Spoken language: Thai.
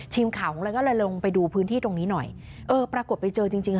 ทีมข่าวของเราก็เลยลงไปดูพื้นที่ตรงนี้หน่อยเออปรากฏไปเจอจริงจริงค่ะ